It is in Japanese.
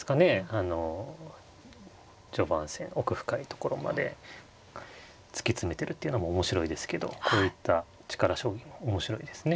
あの序盤戦奥深いところまで突き詰めてるっていうのも面白いですけどこういった力将棋も面白いですね。